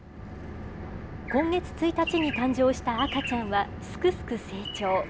今月１日に誕生した赤ちゃんは、すくすく成長。